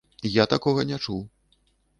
Я такога не чуў.